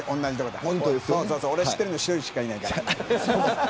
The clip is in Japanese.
俺は知ってるの１人しかいないから。